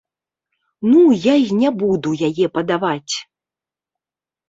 Ну, я і не буду яе падаваць!